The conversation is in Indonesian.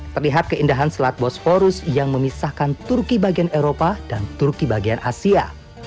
terlihat keindahan selat bosporus yang memisahkan turki bagian eropa dan turki bagian asia